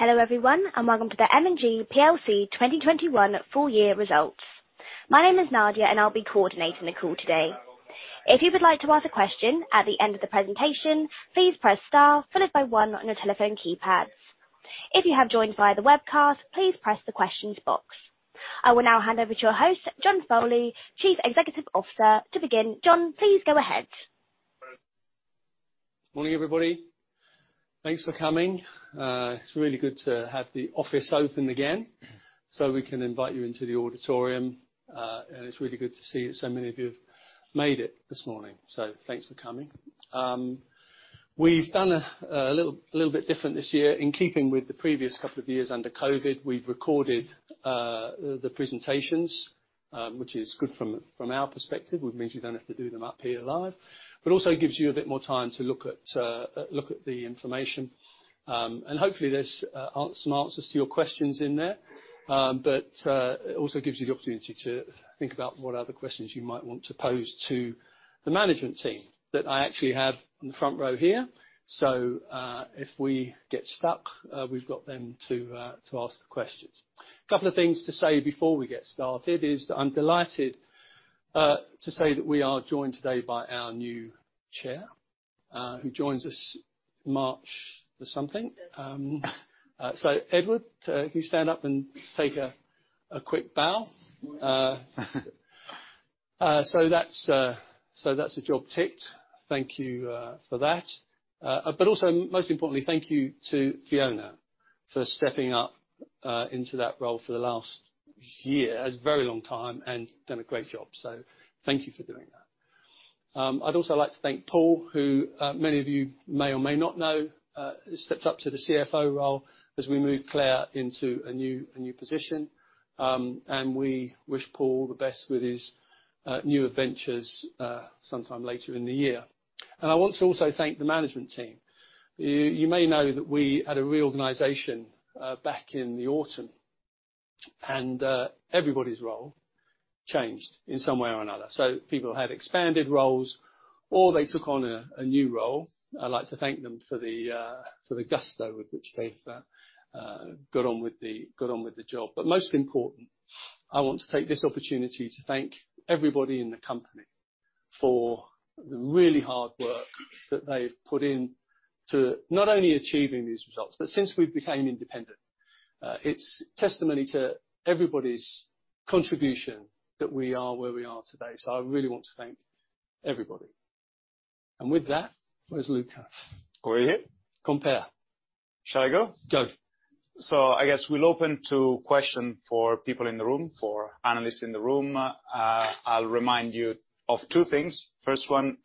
Hello, everyone, and welcome to the M&G plc 2021 full year results. My name is Nadia, and I'll be coordinating the call today. If you would like to ask a question at the end of the presentation, please press star followed by one on your telephone keypad. If you have joined via the webcast, please press the questions box. I will now hand over to our host, John Foley, Chief Executive Officer. To begin, John, please go ahead. Morning, everybody. Thanks for coming. It's really good to have the office open again, so we can invite you into the auditorium, and it's really good to see so many of you have made it this morning. Thanks for coming. We've done a little bit different this year. In keeping with the previous couple of years under COVID, we've recorded the presentations, which is good from our perspective. It means you don't have to do them up here live, but also gives you a bit more time to look at the information. Hopefully there's some answers to your questions in there. It also gives you the opportunity to think about what other questions you might want to pose to the management team that I actually have on the front row here. If we get stuck, we've got them to ask the questions. Couple of things to say before we get started is that I'm delighted to say that we are joined today by our new chair, who joins us March the something. Edward, can you stand up and take a quick bow? That's a job ticked. Thank you for that. Most importantly, thank you to Fiona for stepping up into that role for the last year, a very long time and done a great job. Thank you for doing that. I'd also like to thank Paul, who many of you may or may not know has stepped up to the CFO role as we move Claire into a new position. We wish Paul the best with his new adventures sometime later in the year. I want to also thank the management team. You may know that we had a reorganization back in the autumn, and everybody's role changed in some way or another. People had expanded roles or they took on a new role. I'd like to thank them for the gusto with which they've got on with the job. Most important, I want to take this opportunity to thank everybody in the company for the really hard work that they've put in to not only achieving these results, but since we became independent. It's testimony to everybody's contribution that we are where we are today. I really want to thank everybody. With that, where's Luca? Over here. Come play. Shall I go? Go. I guess we'll open to questions for people in the room, for analysts in the room. I'll remind you of two things. First one,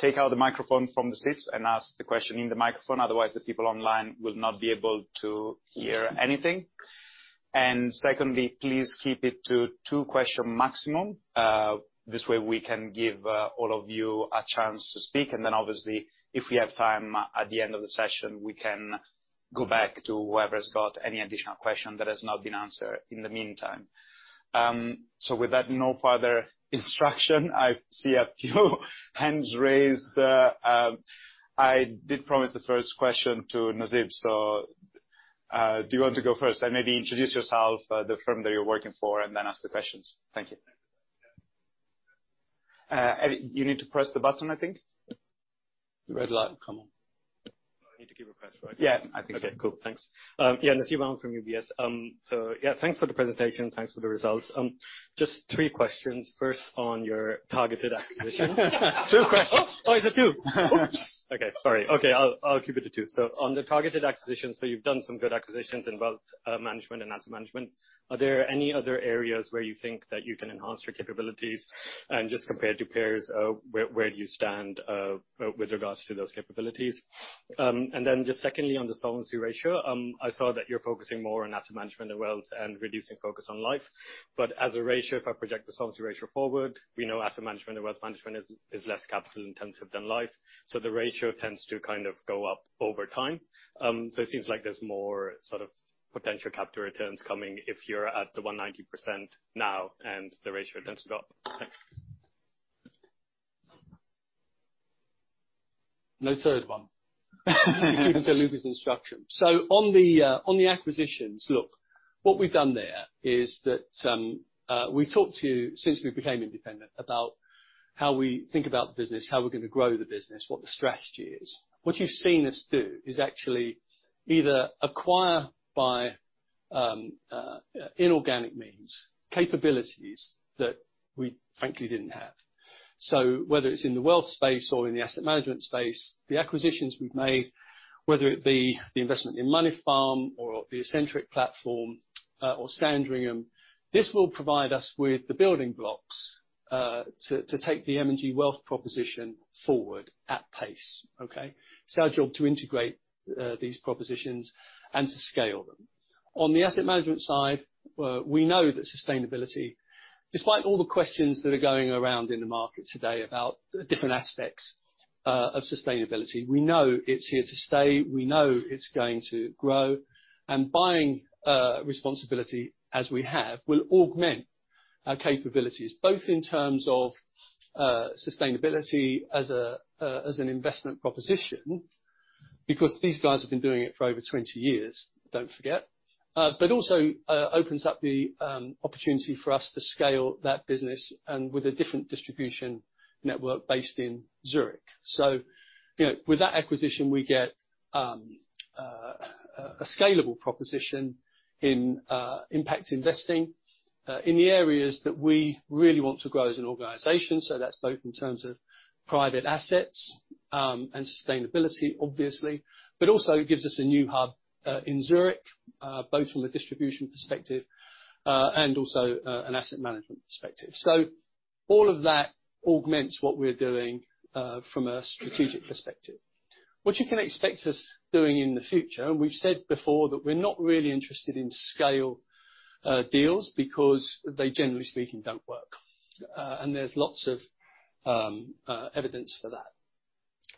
take out the microphone from the seats and ask the question in the microphone, otherwise the people online will not be able to hear anything. Secondly, please keep it to two questions maximum, this way we can give all of you a chance to speak. Then obviously if we have time at the end of the session, we can go back to whoever has got any additional questions that have not been answered in the meantime. With that, no further instructions, I see a few hands raised. I did promise the first question to Nasib. Do you want to go first and maybe introduce yourself, the firm that you're working for, and then ask the questions? Thank you. You need to press the button, I think. The red light come on. I need to give a press, right? Yeah, I think so. Okay, cool. Thanks. Yeah, Nasib Ahmed from UBS. So yeah, thanks for the presentation. Thanks for the results. Just three questions. First on your targeted acquisition. Two questions. Oh, is it two? Oops. Okay, sorry. Okay, I'll keep it to two. On the targeted acquisition, you've done some good acquisitions in wealth management and asset management. Are there any other areas where you think that you can enhance your capabilities? And just compared to peers, where do you stand with regards to those capabilities? And then just secondly, on the solvency ratio, I saw that you're focusing more on asset management and wealth and reducing focus on life. But as a ratio, if I project the solvency ratio forward, we know asset management and wealth management is less capital-intensive than life. The ratio tends to kind of go up over time. It seems like there's more sort of potential capital returns coming if you're at the 190% now and the ratio tends to go up. Thanks. No third one. Keeping to Luca's instruction. On the acquisitions, look, what we've done there is that we've talked to, since we became independent about how we think about the business, how we're gonna grow the business, what the strategy is. What you've seen us do is actually either acquire by inorganic means, capabilities that we frankly didn't have. Whether it's in the wealth space or in the asset management space, the acquisitions we've made, whether it be the investment in Moneyfarm or the Ascentric platform, or Sandringham, this will provide us with the building blocks to take the M&G Wealth proposition forward at pace. Okay? It's our job to integrate these propositions and to scale them. On the asset management side, we know that sustainability, despite all the questions that are going around in the market today about different aspects of sustainability, we know it's here to stay, we know it's going to grow, and buying responsAbility as we have will augment our capabilities, both in terms of sustainability as an investment proposition, because these guys have been doing it for over 20 years, don't forget. But also opens up the opportunity for us to scale that business and with a different distribution network based in Zurich. You know, with that acquisition, we get a scalable proposition in impact investing in the areas that we really want to grow as an organization. That's both in terms of private assets, and sustainability, obviously, but also gives us a new hub in Zurich, both from a distribution perspective, and also an asset management perspective. All of that augments what we're doing from a strategic perspective. What you can expect us doing in the future, and we've said before that we're not really interested in scale deals because they generally speaking, don't work. There's lots of evidence for that.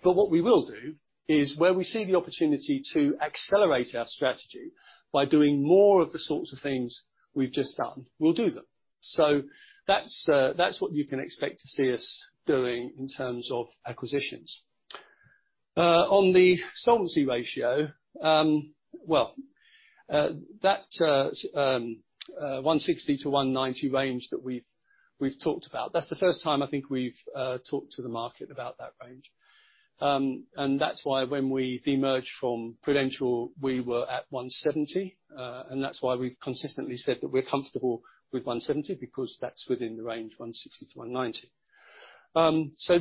But what we will do is where we see the opportunity to accelerate our strategy by doing more of the sorts of things we've just done, we'll do them. That's what you can expect to see us doing in terms of acquisitions. On the solvency ratio, well, that 160-190 range that we've talked about, that's the first time I think we've talked to the market about that range. That's why when we de-merged from Prudential, we were at 170, and that's why we've consistently said that we're comfortable with 170, because that's within the range, 160-190.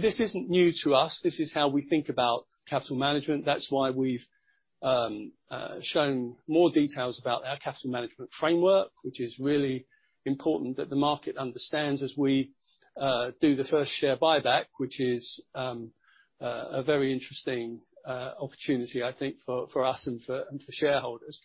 This isn't new to us. This is how we think about capital management. That's why we've shown more details about our capital management framework, which is really important that the market understands as we do the first share buyback, which is a very interesting opportunity, I think for us and for shareholders.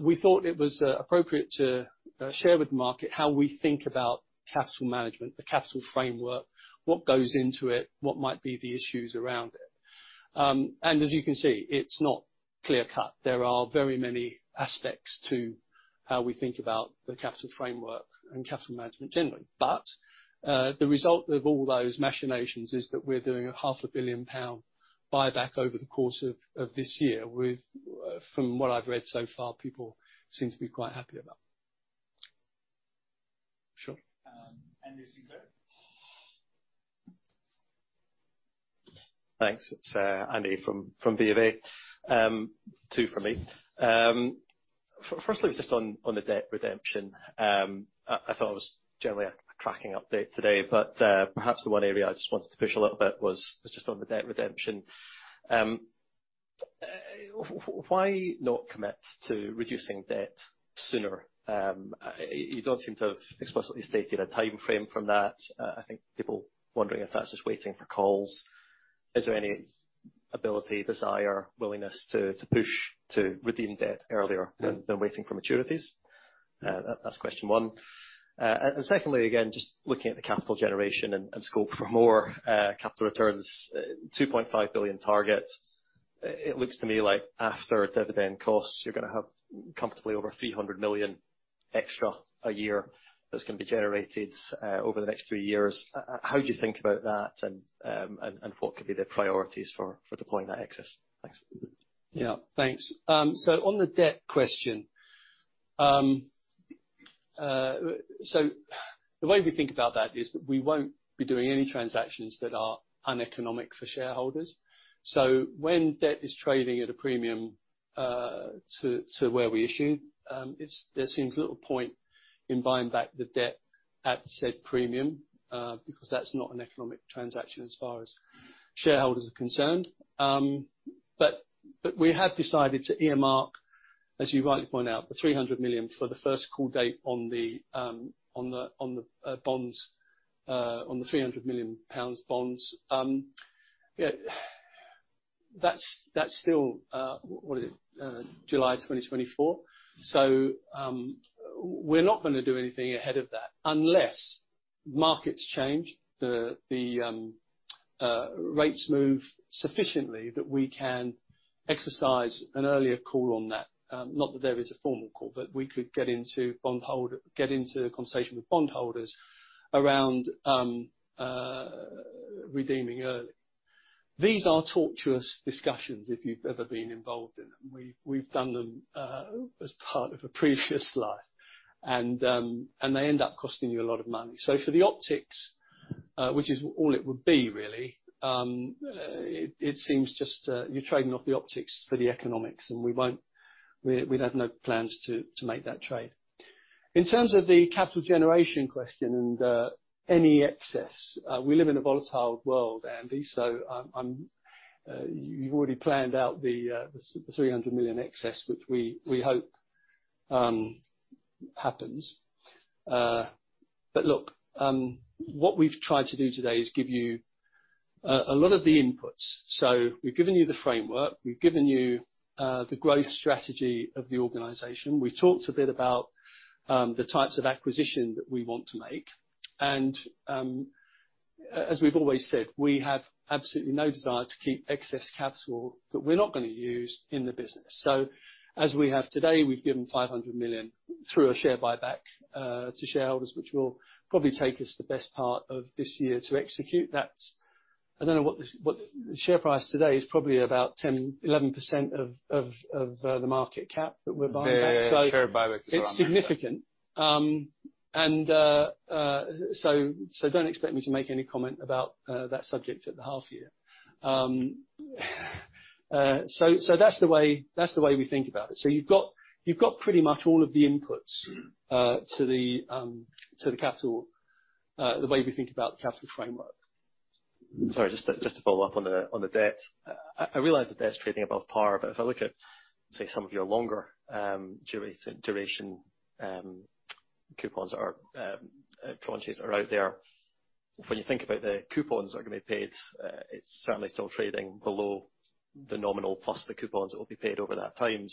We thought it was appropriate to share with the market how we think about capital management, the capital framework, what goes into it, what might be the issues around it. As you can see, it's not clear-cut. There are very many aspects to how we think about the capital framework and capital management generally. The result of all those machinations is that we're doing a 500 million pound buyback over the course of this year, with from what I've read so far, people seem to be quite happy about. Sure. Andy Sinclair. Thanks. It's Andy from BofA. Two from me. First, just on the debt redemption, I thought it was generally a cracking update today, but perhaps the one area I just wanted to push a little bit was just on the debt redemption. Why not commit to reducing debt sooner? You don't seem to have explicitly stated a timeframe for that. I think people are wondering if that's just waiting for calls. Is there any ability, desire, willingness to push to redeem debt earlier? Mm. Rather than waiting for maturities? That's question one. Secondly, again, just looking at the capital generation and scope for more capital returns, 2.5 billion target. It looks to me like after dividend costs, you're gonna have comfortably over 300 million extra a year that's gonna be generated over the next three years. How do you think about that, and what could be the priorities for deploying that excess? Thanks. Yeah. Thanks. On the debt question, the way we think about that is that we won't be doing any transactions that are uneconomic for shareholders. When debt is trading at a premium to where we issue, there seems little point in buying back the debt at said premium because that's not an economic transaction as far as shareholders are concerned. We have decided to earmark, as you rightly point out, the 300 million for the first call date on the 300 million pounds bonds. Yeah. That's still July 2024. We're not gonna do anything ahead of that unless markets change, rates move sufficiently that we can exercise an earlier call on that. Not that there is a formal call, but we could get into a conversation with bondholders around redeeming early. These are torturous discussions, if you've ever been involved in them. We've done them as part of a previous life, and they end up costing you a lot of money. For the optics, which is all it would be really, it seems just you're trading off the optics for the economics, and we won't. We'd have no plans to make that trade. In terms of the capital generation question and any excess, we live in a volatile world, Andy. You've already planned out the 300 million excess, which we hope happens. Look, what we've tried to do today is give you a lot of the inputs. We've given you the framework. We've given you the growth strategy of the organization. We've talked a bit about the types of acquisition that we want to make. As we've always said, we have absolutely no desire to keep excess capital that we're not gonna use in the business. As we have today, we've given 500 million through a share buyback to shareholders, which will probably take us the best part of this year to execute that. I don't know what the share price today is probably about 10%-11% of the market cap that we're buying back. The share buyback is around that. It's significant. Don't expect me to make any comment about that subject at the half year. That's the way we think about it. You've got pretty much all of the inputs to the capital, the way we think about the capital framework. Sorry, just to follow up on the debt. I realize the debt's trading above par, but if I look at, say, some of your longer duration coupons or tranches are out there, when you think about the coupons are gonna be paid, it's certainly still trading below the nominal plus the coupons that will be paid over that time.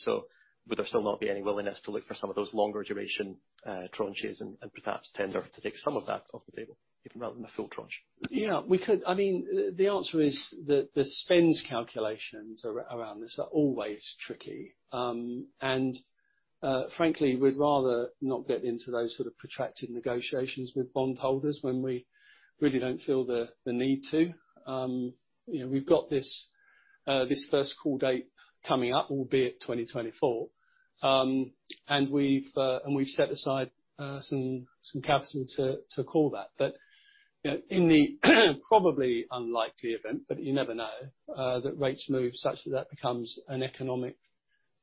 Would there still not be any willingness to look for some of those longer duration tranches and perhaps tender to take some of that off the table, even rather than the full tranche? Yeah. We could. I mean, the answer is the spends calculations around this are always tricky. Frankly, we'd rather not get into those sort of protracted negotiations with bondholders when we really don't feel the need to. You know, we've got this first call date coming up, albeit 2024. And we've set aside some capital to call that. You know, in the probably unlikely event, but you never know, that rates move such that that becomes an economic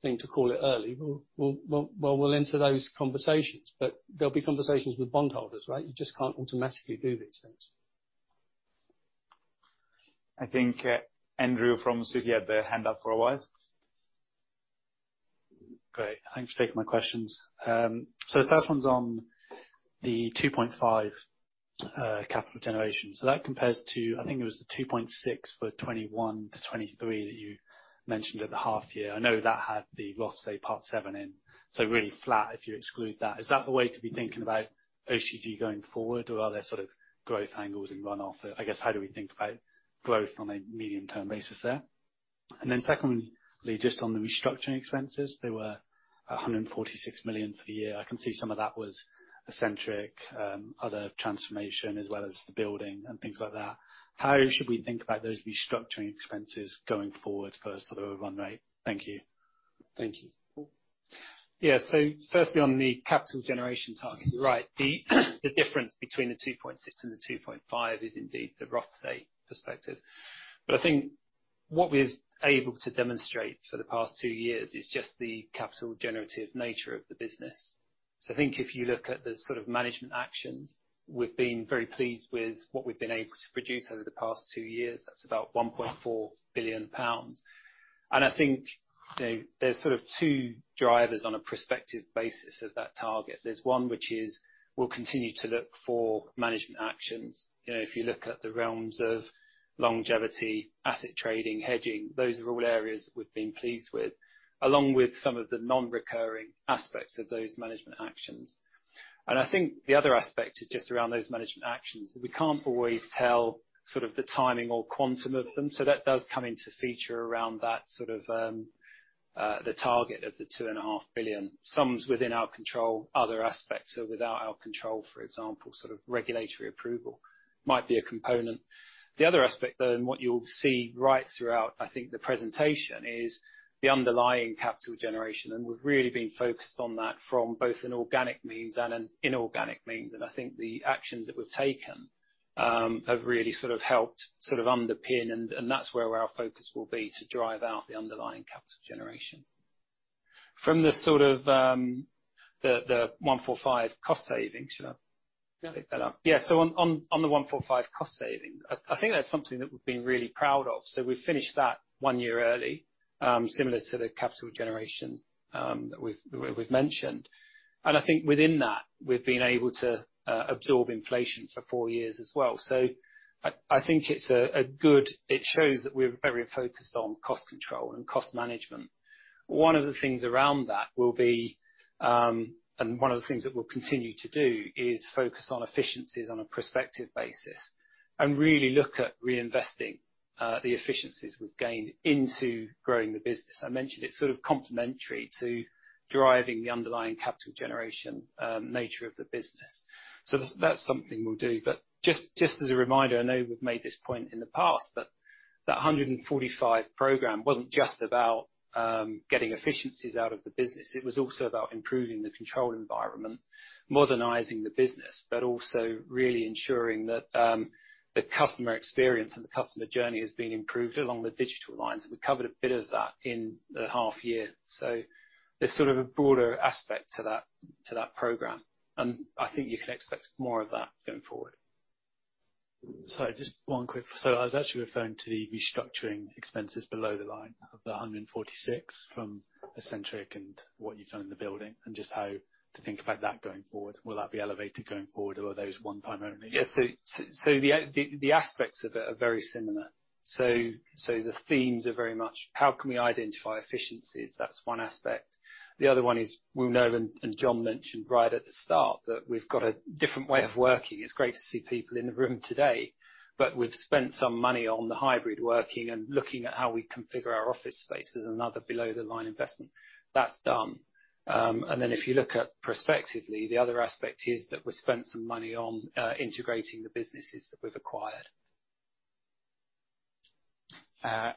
thing to call it early. Well, we'll enter those conversations, but they'll be conversations with bondholders, right? You just can't automatically do these things. I think, Andrew from Citi had their hand up for a while. Great. Thanks for taking my questions. The first one's on the 2.5 capital generation. That compares to, I think it was the 2.6 for 2021-2023 that you mentioned at the half year. I know that had the loss, say Part VII in, so really flat if you exclude that. Is that the way to be thinking about OCG going forward, or are there sort of growth angles in runoff? I guess, how do we think about growth on a medium-term basis there? Secondly, just on the restructuring expenses, they were 146 million for the year. I can see some of that was Ascentric, other transformation, as well as the building and things like that. How should we think about those restructuring expenses going forward for a sort of a run rate? Thank you. Thank you. Yeah. Firstly, on the capital generation target, you're right. The difference between the 2.6% and the 2.5% is indeed the Rothesay perspective. I think what we're able to demonstrate for the past two years is just the capital generative nature of the business. I think if you look at the sort of management actions, we've been very pleased with what we've been able to produce over the past two years. That's about 1.4 billion pounds. I think, you know, there's sort of two drivers on a prospective basis of that target. There's one which is we'll continue to look for management actions. You know, if you look at the realms of longevity, asset trading, hedging, those are all areas we've been pleased with, along with some of the non-recurring aspects of those management actions. I think the other aspect is just around those management actions. We can't always tell sort of the timing or quantum of them, so that does come into the picture around that sort of the target of 2.5 billion. Some's within our control, other aspects are without our control. For example, sort of regulatory approval might be a component. The other aspect, and what you'll see right throughout the presentation, is the underlying capital generation, and we've really been focused on that from both an organic means and an inorganic means. I think the actions that we've taken have really sort of helped underpin, and that's where our focus will be to drive out the underlying capital generation from the 145 cost savings. Should I pick that up? Yeah. On the 145 cost saving, I think that's something that we've been really proud of. We finished that one year early, similar to the capital generation that we've mentioned. I think within that, we've been able to absorb inflation for four years as well. I think it's a good. It shows that we're very focused on cost control and cost management. One of the things that we'll continue to do is focus on efficiencies on a prospective basis and really look at reinvesting the efficiencies we've gained into growing the business. I mentioned it's sort of complementary to driving the underlying capital generation nature of the business. That's something we'll do. Just as a reminder, I know we've made this point in the past, but that 145 program wasn't just about getting efficiencies out of the business. It was also about improving the control environment, modernizing the business, but also really ensuring that the customer experience and the customer journey is being improved along the digital lines. We covered a bit of that in the half year. There's sort of a broader aspect to that program, and I think you can expect more of that going forward. I was actually referring to the restructuring expenses below the line of 146 from Ascentric and what you've done in the building and just how to think about that going forward. Will that be elevated going forward, or are those one-time only? The aspects of it are very similar. The themes are very much how can we identify efficiencies? That's one aspect. The other one is we all know, and John mentioned right at the start, that we've got a different way of working. It's great to see people in the room today, but we've spent some money on the hybrid working and looking at how we configure our office space as another below-the-line investment. That's done. If you look prospectively, the other aspect is that we've spent some money on integrating the businesses that we've acquired.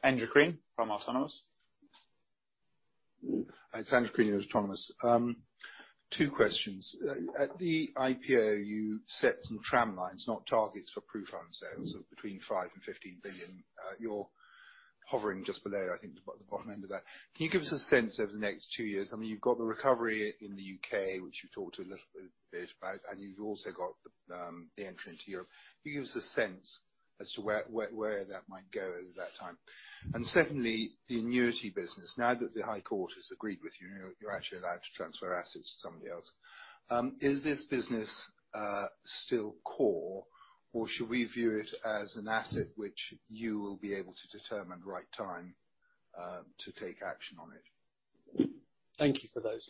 Andrew Crean from Autonomous Research. It's Andrew Crean with Autonomous Research. Two questions. At the IPO, you set some tramlines, not targets, for PruFund sales of between 5 billion and 15 billion. You're hovering just below, I think, the bottom end of that. Can you give us a sense over the next two years? I mean, you've got the recovery in the U.K., which you talked a little bit about, and you've also got the entry into Europe. Can you give us a sense as to where that might go over that time? Secondly, the annuity business. Now that the High Court has agreed with you and you're actually allowed to transfer assets to somebody else, is this business still core, or should we view it as an asset which you will be able to determine the right time to take action on it? Thank you for those.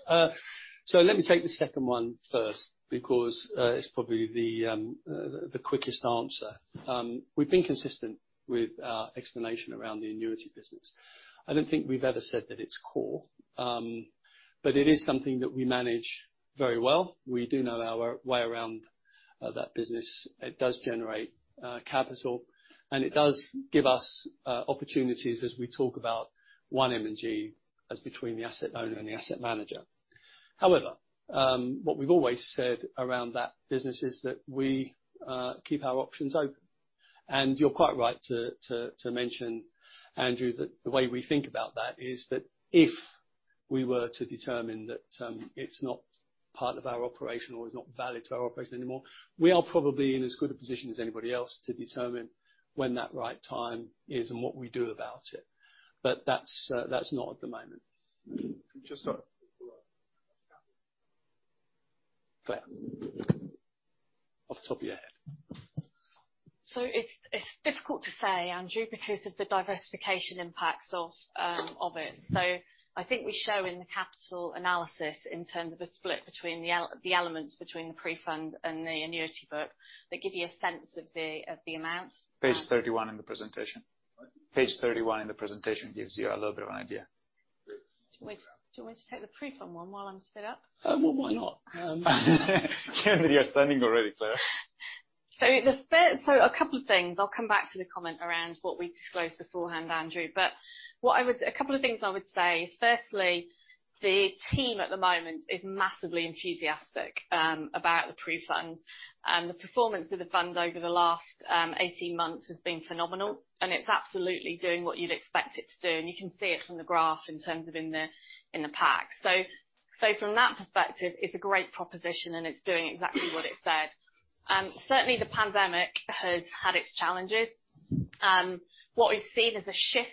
So let me take the second one first because it's probably the quickest answer. We've been consistent with our explanation around the annuity business. I don't think we've ever said that it's core. But it is something that we manage very well. We do know our way around that business. It does generate capital, and it does give us opportunities as we talk about one M&G as between the asset owner and the asset manager. However, what we've always said around that business is that we keep our options open. You're quite right to mention, Andrew, that the way we think about that is that if we were to determine that, it's not part of our operation or is not valid to our operation anymore, we are probably in as good a position as anybody else to determine when that right time is and what we do about it. That's not at the moment. Just a follow-up. Claire, off the top of your head. It's difficult to say, Andrew, because of the diversification impacts of it. I think we show in the capital analysis, in terms of the split between the elements, between the PruFund and the annuity book, that give you a sense of the amount. Page 31 in the presentation. What? Page 31 in the presentation gives you a little bit of an idea. Great. Do you want me to take the PruFund one while I'm stood up? Well, why not? Given that you're standing already, Claire. A couple of things. I'll come back to the comment around what we disclosed beforehand, Andrew. A couple of things I would say is, firstly, the team at the moment is massively enthusiastic about the PruFund. The performance of the fund over the last 18 months has been phenomenal, and it's absolutely doing what you'd expect it to do, and you can see it from the graph in terms of the pack. From that perspective, it's a great proposition and it's doing exactly what it said. Certainly the pandemic has had its challenges. What we've seen is a shift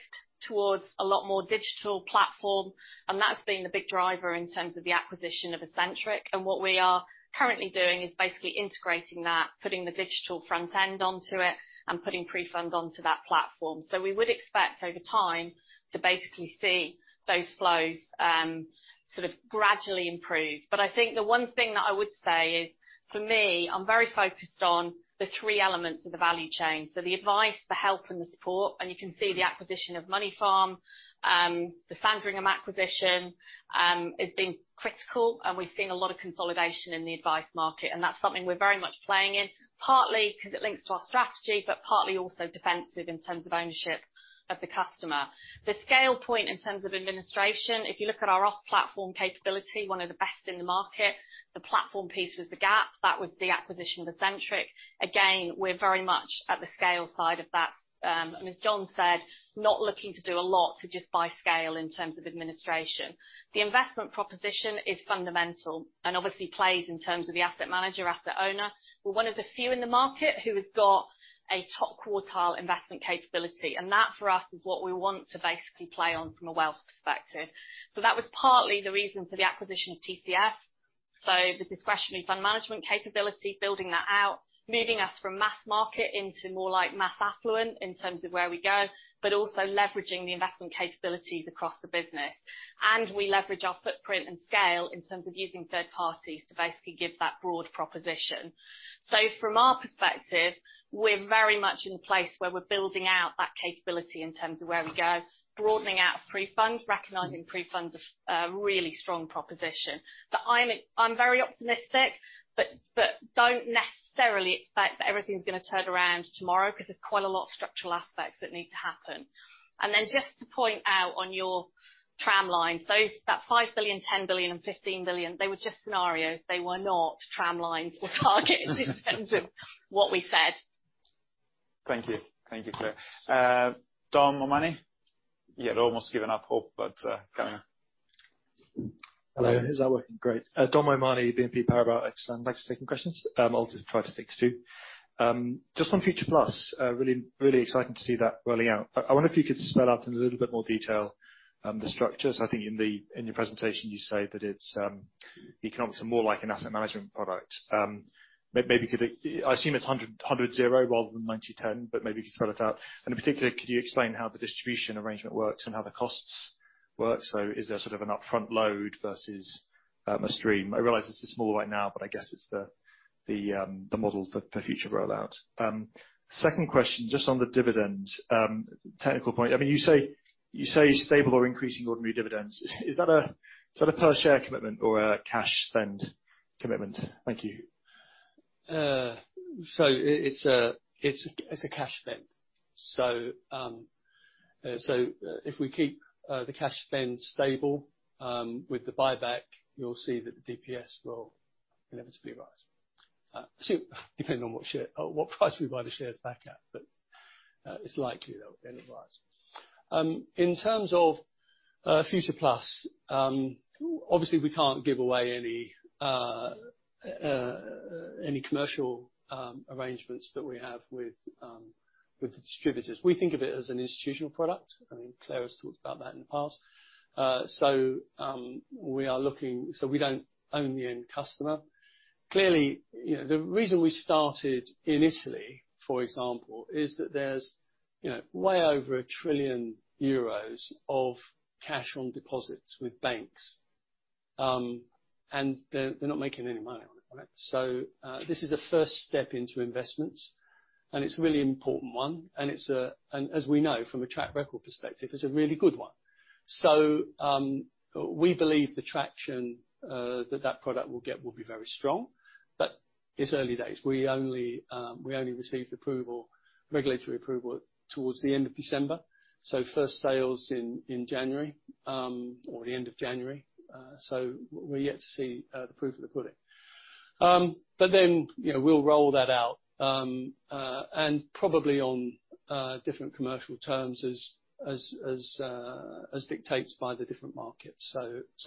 towards a lot more digital platform, and that's been the big driver in terms of the acquisition of Ascentric. What we are currently doing is basically integrating that, putting the digital front end onto it and putting PruFund onto that platform. We would expect over time to basically see those flows sort of gradually improve. I think the one thing that I would say is, for me, I'm very focused on the three elements of the value chain. The advice, the help and the support, and you can see the acquisition of Moneyfarm. The Sandringham acquisition has been critical, and we've seen a lot of consolidation in the advice market, and that's something we're very much playing in, partly 'cause it links to our strategy, but partly also defensive in terms of ownership of the customer. The scale point in terms of administration, if you look at our off-platform capability, one of the best in the market. The platform piece was the gap. That was the acquisition of Ascentric. Again, we're very much at the scale side of that. As John said, not looking to do a lot to just buy scale in terms of administration. The investment proposition is fundamental and obviously plays in terms of the asset manager, asset owner. We're one of the few in the market who has got a top quartile investment capability, and that for us is what we want to basically play on from a wealth perspective. That was partly the reason for the acquisition of TCF. The discretionary fund management capability, building that out, moving us from mass market into more like mass affluent in terms of where we go. Also leveraging the investment capabilities across the business. We leverage our footprint and scale in terms of using third parties to basically give that broad proposition. From our perspective, we're very much in a place where we're building out that capability in terms of where we go, broadening out PruFund, recognizing PruFund's a really strong proposition. I'm very optimistic, but don't necessarily expect that everything's gonna turn around tomorrow 'cause there's quite a lot of structural aspects that need to happen. Just to point out on your tramlines, those 5 billion, 10 billion and 15 billion, they were just scenarios. They were not tramlines or targets in terms of what we said. Thank you. Thank you, Claire. Dominic O'Mahony. You had almost given up hope, but, carrying on. Hello. Is that working? Great. Dominic O'Mahony, BNP Paribas. I'd like to take some questions. I'll just try to stick to two. Just on Future+, really exciting to see that rolling out. I wonder if you could spell out in a little bit more detail the structures. I think in your presentation you say that it's economics are more like an asset management product. Maybe could it. I assume it's 100-0 rather than 90-10, but maybe you could spell it out. And in particular, could you explain how the distribution arrangement works and how the costs work? So is there sort of an upfront load versus a stream? I realize this is small right now, but I guess it's the model for future rollout. Second question, just on the dividend, technical point. I mean, you say stable or increasing ordinary dividends. Is that a per share commitment or a cash spend commitment? Thank you. It's a cash spend. If we keep the cash spend stable with the buyback, you'll see that the DPS will inevitably rise. Depending on what price we buy the shares back at, it's likely they'll then rise. In terms of Future+, obviously we can't give away any commercial arrangements that we have with the distributors. We think of it as an institutional product. I mean, Claire has talked about that in the past. We don't own the end customer. Clearly, you know, the reason we started in Italy, for example, is that there's, you know, way over 1 trillion euros of cash on deposits with banks. They're not making any money on it, right? This is a first step into investments, and it's a really important one, and as we know from a track record perspective, it's a really good one. We believe the traction that product will get will be very strong. It's early days. We only received approval, regulatory approval towards the end of December. First sales in January or the end of January. We're yet to see the proof of the pudding. Then, you know, we'll roll that out. Probably on different commercial terms as dictated by the different markets.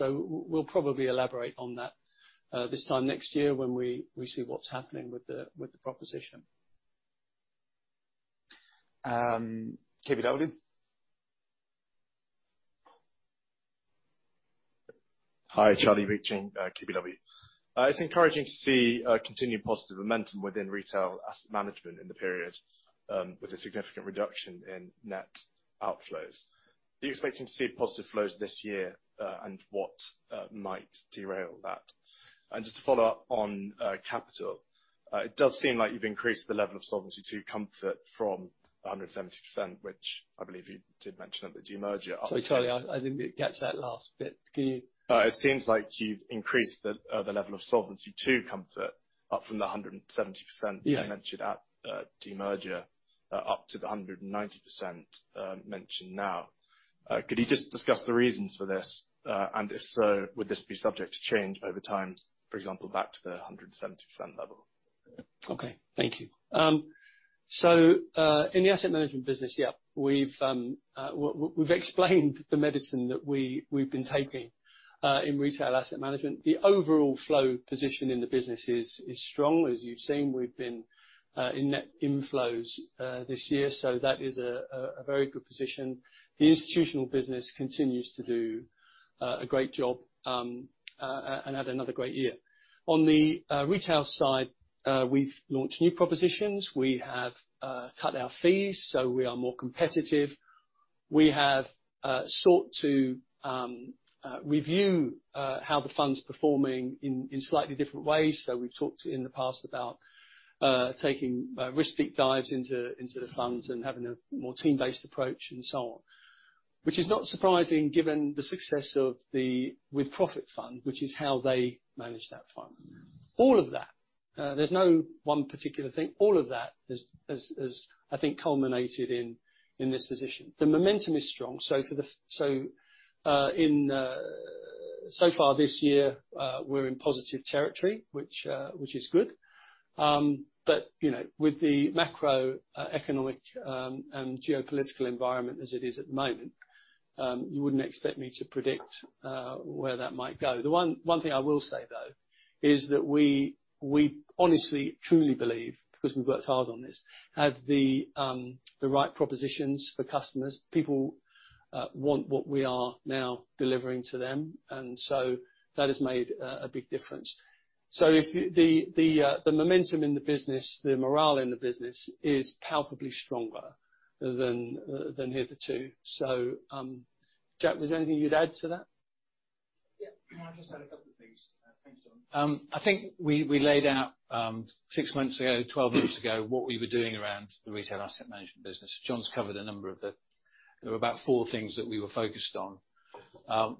We'll probably elaborate on that this time next year when we see what's happening with the proposition. KBW. Hi, Charlie Reith, KBW. It's encouraging to see continued positive momentum within retail asset management in the period with a significant reduction in net outflows. Are you expecting to see positive flows this year, and what might derail that? Just to follow up on capital. It does seem like you've increased the level of Solvency II comfort from 170%, which I believe you did mention at the demerger. Sorry, Charlie, I didn't get that last bit. Can you? It seems like you've increased the level of Solvency II comfort up from 170%. Yeah. You mentioned at demerger up to the 190% mentioned now. Could you just discuss the reasons for this? If so, would this be subject to change over time, for example, back to the 170% level? Okay. Thank you. In the asset management business, yeah, we've explained the medicine that we've been taking in retail asset management. The overall flow position in the business is strong. As you've seen, we've been in net inflows this year. That is a very good position. The institutional business continues to do a great job and had another great year. On the retail side, we've launched new propositions. We have cut our fees, so we are more competitive. We have sought to review how the fund's performing in slightly different ways. We've talked in the past about taking risk deep dives into the funds and having a more team-based approach and so on. Which is not surprising given the success of the With Profits fund, which is how they manage that fund. All of that. There's no one particular thing. All of that has, I think, culminated in this position. The momentum is strong. So far this year, we're in positive territory, which is good. You know, with the macroeconomic and geopolitical environment as it is at the moment, you wouldn't expect me to predict where that might go. The one thing I will say, though, is that we honestly truly believe, because we've worked hard on this, have the right propositions for customers. People want what we are now delivering to them, and so that has made a big difference. If the momentum in the business, the morale in the business is palpably stronger than hitherto. Jack, was there anything you'd add to that? I'll just add a couple of things. Thanks, John. I think we laid out six months ago, 12 weeks ago, what we were doing around the retail asset management business. John's covered a number of the things. There were about four things that we were focused on.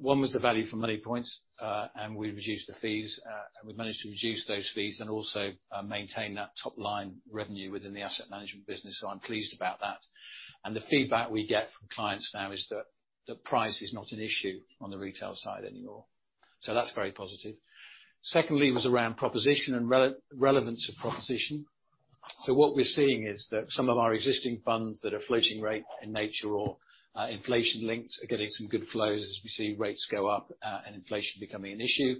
One was the value for money points, and we reduced the fees. We managed to reduce those fees and also maintain that top-line revenue within the asset management business. I'm pleased about that. The feedback we get from clients now is that the price is not an issue on the retail side anymore. That's very positive. Secondly, was around proposition and relevance of proposition. What we're seeing is that some of our existing funds that are floating rate in nature or inflation linked are getting some good flows as we see rates go up and inflation becoming an issue.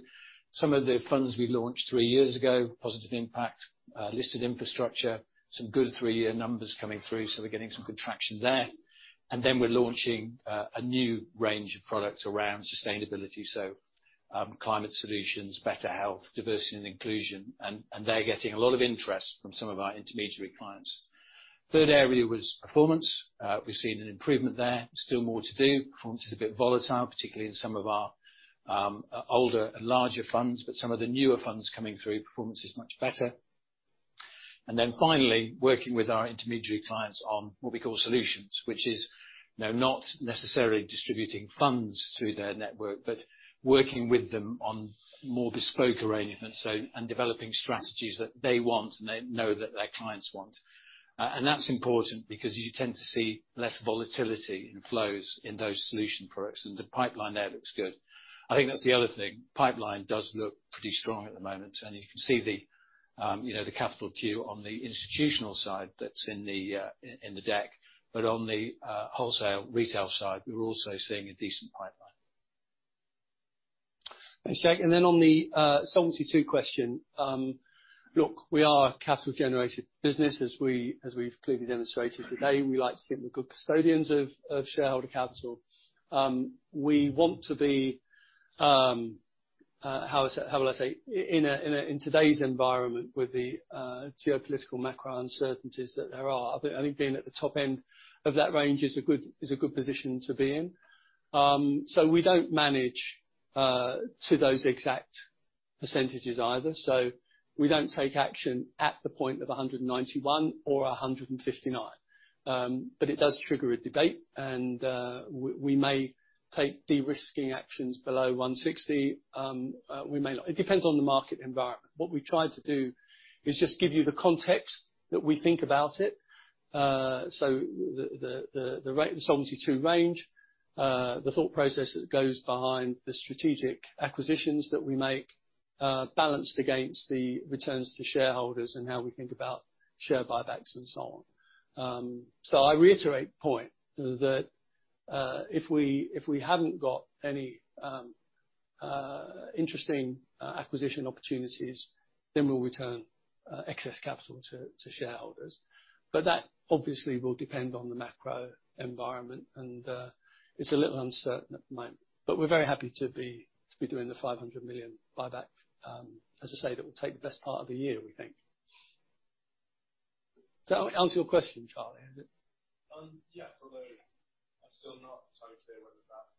Some of the funds we've launched three years ago, Positive Impact, Global Listed Infrastructure, some good three-year numbers coming through, so we're getting some good traction there. We're launching a new range of products around sustainability. Climate Solutions, Better Health, diversity and inclusion, and they're getting a lot of interest from some of our intermediary clients. Third area was performance. We've seen an improvement there. Still more to do. Performance is a bit volatile, particularly in some of our older and larger funds, but some of the newer funds coming through, performance is much better. Finally, working with our intermediary clients on what we call solutions, which is not necessarily distributing funds through their network, but working with them on more bespoke arrangements, developing strategies that they want and they know that their clients want. That's important because you tend to see less volatility in flows in those solution products, and the pipeline there looks good. I think that's the other thing. Pipeline does look pretty strong at the moment, and you can see the capital queue on the institutional side that's in the deck. On the wholesale retail side, we're also seeing a decent pipeline. Thanks, Jake. On the Solvency II question, look, we are a capital generative business, as we've clearly demonstrated today. We like to think we're good custodians of shareholder capital. We want to be in today's environment with the geopolitical macro uncertainties that there are, I think being at the top end of that range is a good position to be in. We don't manage to those exact percentages either. We don't take action at the point of 191% or 159%. It does trigger a debate and we may take de-risking actions below 160%. We may not. It depends on the market environment. What we try to do is just give you the context that we think about it. The Solvency II range, the thought process that goes behind the strategic acquisitions that we make, balanced against the returns to shareholders and how we think about share buybacks and so on. I reiterate the point that if we haven't got any interesting acquisition opportunities, then we'll return excess capital to shareholders. That obviously will depend on the macro environment and it's a little uncertain at the moment. We're very happy to be doing the 500 million buyback. As I say, that will take the best part of the year, we think. Does that answer your question, Charlie? Is it- Yes. Although I'm still not totally clear whether that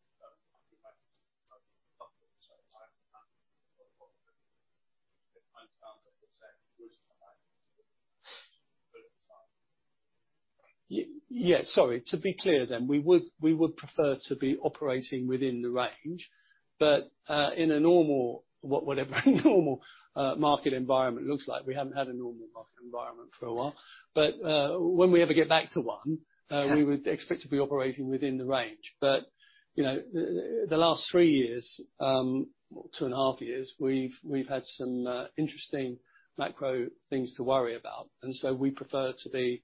Yes. Sorry. To be clear, we would prefer to be operating within the range. In a normal, whatever normal, market environment looks like, we haven't had a normal market environment for a while. When we ever get back to one, we would expect to be operating within the range. You know, the last three years, two and a half years, we've had some interesting macro things to worry about. We prefer to be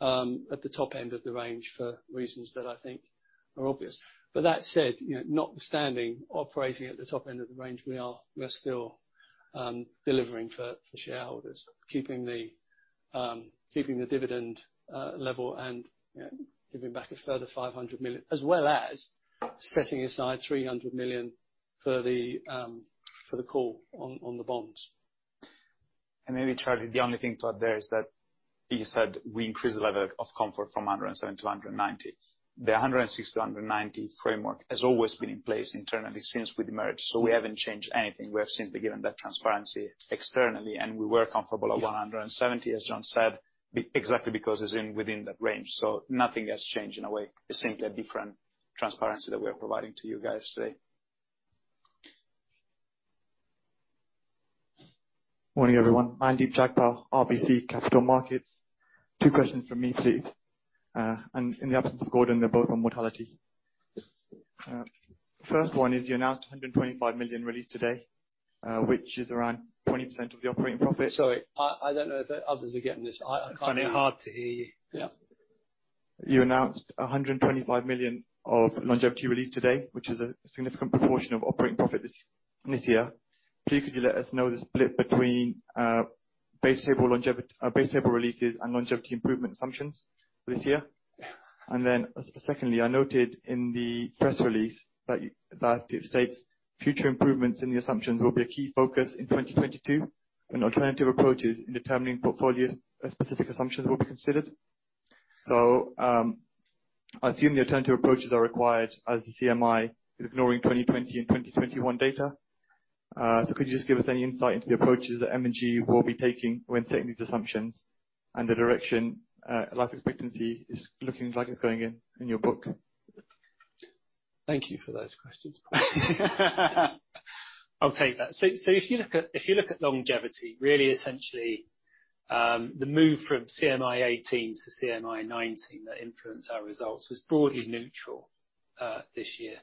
at the top end of the range for reasons that I think are obvious. That said, you know, notwithstanding operating at the top end of the range, we are. We're still delivering for shareholders, keeping the dividend level and, you know, giving back a further 500 million, as well as setting aside 300 million for the call on the bonds. Maybe, Charlie, the only thing to add there is that you said we increased the level of comfort from 170 to 190. The 160-190 framework has always been in place internally since we've emerged. We haven't changed anything. We have simply given that transparency externally, and we were comfortable at 170, as John said, because exactly because it's within that range. Nothing has changed in a way. It's simply a different transparency that we are providing to you guys today. Morning, everyone. Mandeep Jagpal, RBC Capital Markets. Two questions from me, please. In the absence of Gordon, they're both on mortality. First one is you announced 125 million release today, which is around 20% of the operating profit. Sorry, I don't know if the others are getting this. I find it hard to hear you. Yeah. You announced 125 million of longevity released today, which is a significant proportion of operating profit this year. Please could you let us know the split between base table releases and longevity improvement assumptions this year? Secondly, I noted in the press release that that it states future improvements in the assumptions will be a key focus in 2022, and alternative approaches in determining portfolio-specific assumptions will be considered. I assume the alternative approaches are required as the CMI is ignoring 2020 and 2021 data. Could you just give us any insight into the approaches that M&G will be taking when setting these assumptions and the direction life expectancy is looking like it's going in your book? Thank you for those questions. I'll take that. If you look at longevity, really essentially, the move from CMI 2018 to CMI 2019 that influenced our results was broadly neutral. This year.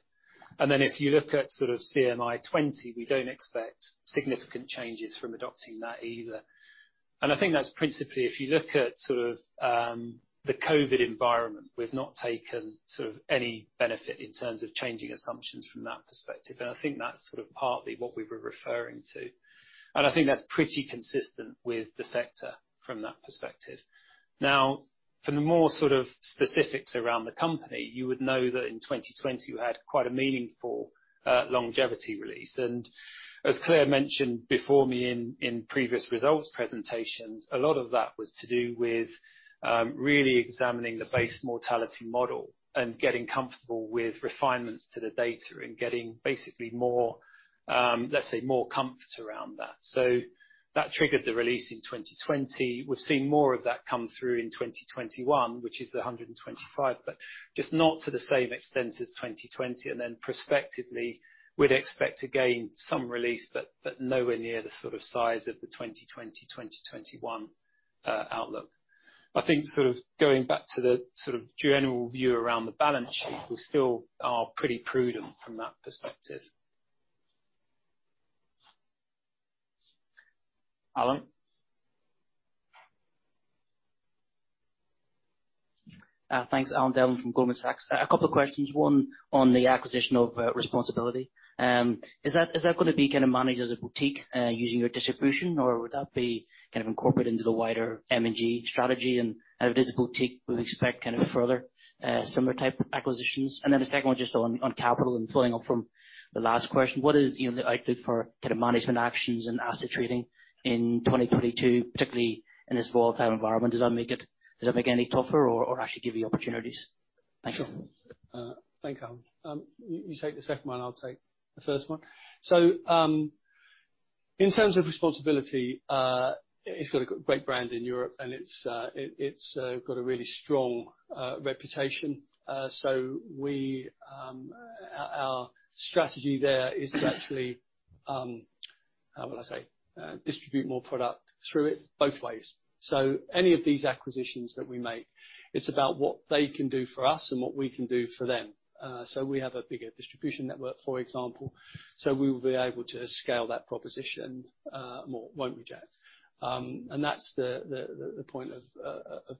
Then if you look at sort of CMI 2020, we don't expect significant changes from adopting that either. I think that's principally, if you look at sort of the COVID environment, we've not taken sort of any benefit in terms of changing assumptions from that perspective. I think that's sort of partly what we were referring to. I think that's pretty consistent with the sector from that perspective. Now, from the more sort of specifics around the company, you would know that in 2020, we had quite a meaningful longevity release. As Claire mentioned before me in previous results presentations, a lot of that was to do with really examining the base mortality model and getting comfortable with refinements to the data and getting basically more, let's say more comfort around that. That triggered the release in 2020. We've seen more of that come through in 2021, which is the 125, but just not to the same extent as 2020. Then prospectively, we'd expect to gain some release, but nowhere near the sort of size of the 2020, 2021 outlook. I think sort of going back to the sort of general view around the balance sheet, we still are pretty prudent from that perspective. Alan? Thanks. Alan Devlin from Goldman Sachs. A couple of questions. One on the acquisition of responsAbility. Is that gonna be kinda managed as a boutique using your distribution, or would that be kind of incorporated into the wider M&G strategy? If it is a boutique, we expect kind of further similar type acquisitions. The second one, just on capital and following up from the last question, what is, you know, the outlook for kinda management actions and asset trading in 2022, particularly in this volatile environment? Does that make it any tougher or actually give you opportunities? Thanks. Sure. Thanks, Alan. You take the second one, I'll take the first one. In terms of responsAbility, it's got a great brand in Europe, and it's got a really strong reputation. Our strategy there is to actually distribute more product through it both ways. Any of these acquisitions that we make, it's about what they can do for us and what we can do for them. We have a bigger distribution network, for example, so we will be able to scale that proposition more, won't we, Jack? That's the point of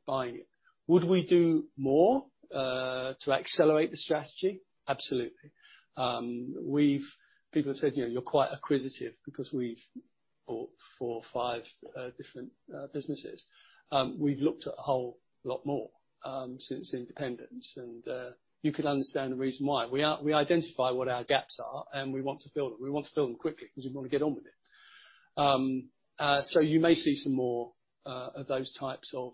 buying it. Would we do more to accelerate the strategy? Absolutely. People have said, you know, "You're quite acquisitive," because we've bought four or five different businesses. We've looked at a whole lot more since independence and you could understand the reason why. We identify what our gaps are, and we want to fill them. We want to fill them quickly because we wanna get on with it. So you may see some more of those types of.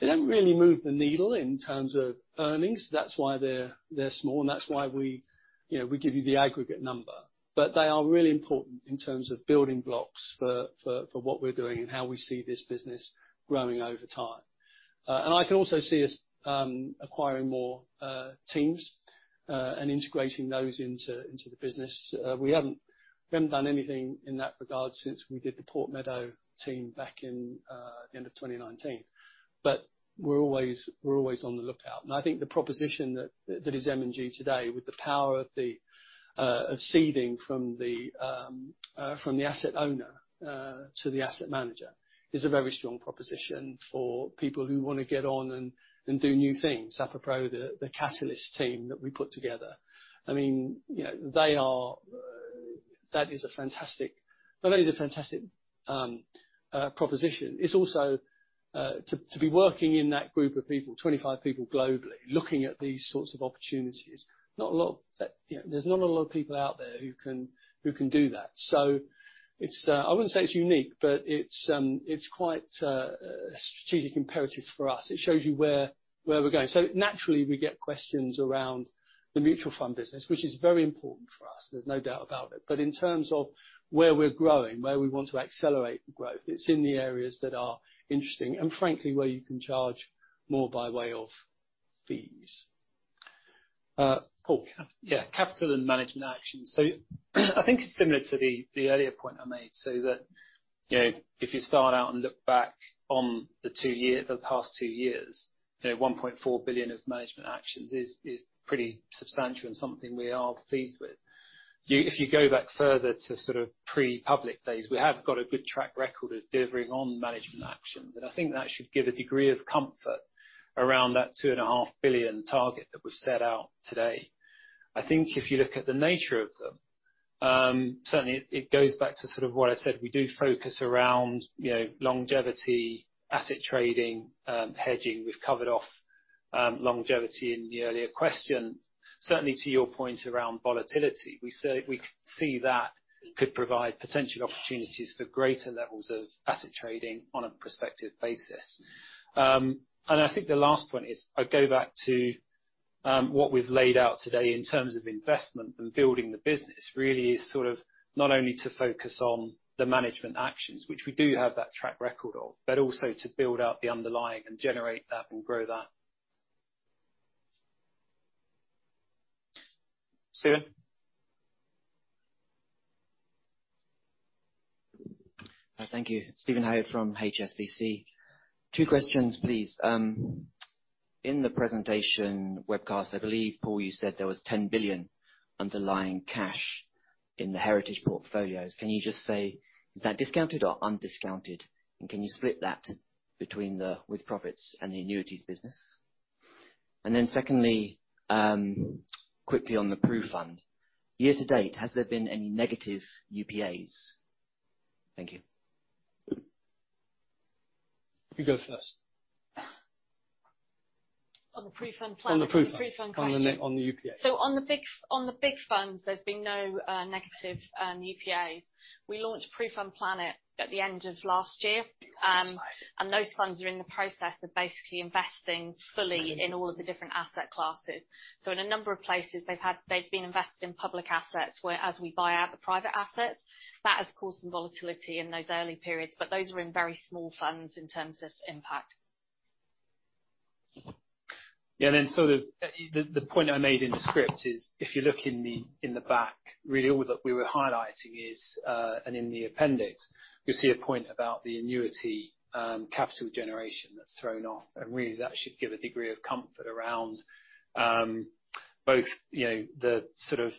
They don't really move the needle in terms of earnings. That's why they're small, and that's why we, you know, we give you the aggregate number. But they are really important in terms of building blocks for what we're doing and how we see this business growing over time. I can also see us acquiring more teams and integrating those into the business. We haven't done anything in that regard since we did the Port Meadow team back in the end of 2019. We're always on the lookout. I think the proposition that is M&G today with the power of the seeding from the asset owner to the asset manager is a very strong proposition for people who wanna get on and do new things, apropos the Catalyst team that we put together. I mean, you know, that is a fantastic. Not only is it a fantastic proposition, it's also to be working in that group of people, 25 people globally, looking at these sorts of opportunities, not a lot you know, there's not a lot of people out there who can do that. It's I wouldn't say it's unique, but it's quite a strategic imperative for us. It shows you where we're going. Naturally we get questions around the mutual fund business, which is very important for us, there's no doubt about it. In terms of where we're growing, where we want to accelerate the growth, it's in the areas that are interesting and frankly, where you can charge more by way of fees. Paul. Yeah, capital and management action. I think it's similar to the earlier point I made. That, you know, if you start out and look back on the past two years, you know, 1.4 billion of management actions is pretty substantial and something we are pleased with. If you go back further to sort of pre-public phase, we have got a good track record of delivering on management actions. I think that should give a degree of comfort around that 2.5 billion target that we've set out today. I think if you look at the nature of them, certainly it goes back to sort of what I said. We do focus around, you know, longevity, asset trading, hedging. We've covered off, longevity in the earlier question. Certainly to your point around volatility, we say, we see that could provide potential opportunities for greater levels of asset trading on a prospective basis. I think the last point is I go back to what we've laid out today in terms of investment and building the business really is sort of not only to focus on the management actions, which we do have that track record of, but also to build out the underlying and generate that and grow that. Stephen? Thank you. Steven Haywood from HSBC. Two questions, please. In the presentation webcast, I believe, Paul, you said there was 10 billion underlying cash in the Heritage portfolios. Can you just say, is that discounted or undiscounted? And can you split that between the With Profits and the annuities business? And then secondly, quickly on the PruFund. Year to date, has there been any negative BPAs? Thank you. You go first. On the PruFund plan? On the PruFund. PruFund question. On the BPAs. On the big funds, there's been no negative BPAs. We launched PruFund Planet at the end of last year, and those funds are in the process of basically investing fully in all of the different asset classes. In a number of places they've had they've been invested in public assets, whereas we buy out the private assets, that has caused some volatility in those early periods. Those are in very small funds in terms of impact. Yeah, sort of, the point I made in the script is if you look in the back, really all that we were highlighting is, and in the appendix, you'll see a point about the annuity capital generation that's thrown off. Really, that should give a degree of comfort around both, you know, the sort of,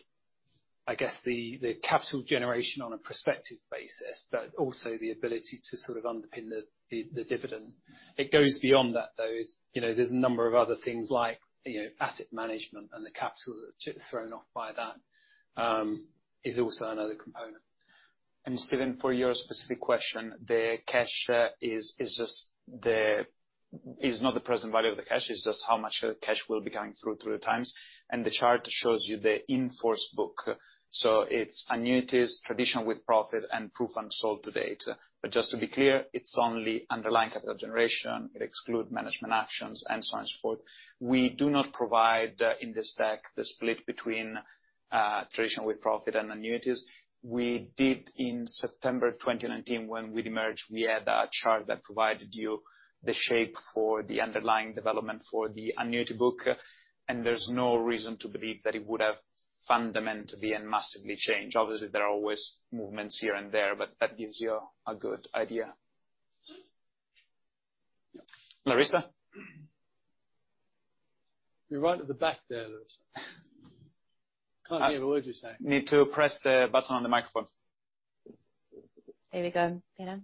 I guess, the capital generation on a prospective basis, but also the ability to sort of underpin the dividend. It goes beyond that though. You know, there's a number of other things like, you know, asset management and the capital that's thrown off by that is also another component. Steven, for your specific question, the cash is not the present value of the cash. It's just how much cash will be going through the times. The chart shows you the in-force book. It's annuities, traditional with profit and PruFund sold to date. Just to be clear, it's only underlying capital generation. It excludes management actions and so on and so forth. We do not provide in this deck the split between traditional with profit and annuities. We did in September 2019, when we'd emerged, we had a chart that provided you the shape for the underlying development for the annuity book, and there's no reason to believe that it would have fundamentally and massively changed. Obviously, there are always movements here and there, but that gives you a good idea. Larissa. You're right at the back there, Larissa. Can't hear a word you're saying. Need to press the button on the microphone. There we go. Better.